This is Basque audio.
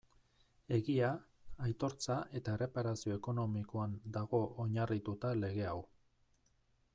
Egia, aitortza eta erreparazio ekonomikoan dago oinarrituta lege hau.